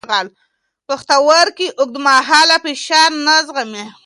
پښتورګي اوږدمهاله فشار نه زغمي.